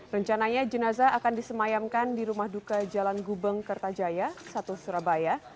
rencananya jenazah akan disemayamkan di rumah duka jalan gubeng kertajaya satu surabaya